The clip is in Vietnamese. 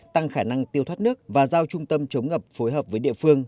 tăng khả năng tiêu thoát nước và giao trung tâm chống ngập phối hợp với địa phương